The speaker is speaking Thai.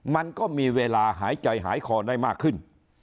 มันก็มีเวลาหายใจหายคอได้มากขึ้น